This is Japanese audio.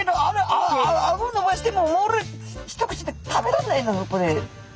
ああごのばしても一口で食べられないんだぞこれ」。